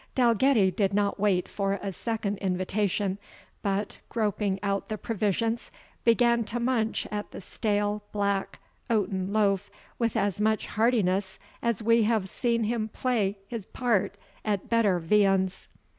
Dalgetty did not wait for a second invitation, but, groping out the provisions, began to munch at the stale black oaten loaf with as much heartiness as we have seen him play his part at better viands.